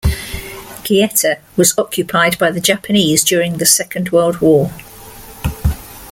Kieta was occupied by the Japanese during the Second World War.